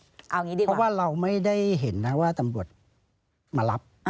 เพราะว่าเราไม่ได้เห็นนะว่าตำรวจมารับ